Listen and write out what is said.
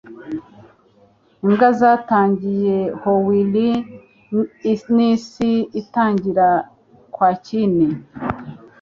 Imbwa zatangiye howlin 'isi itangira quakin',